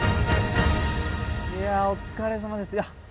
いやお疲れさまです。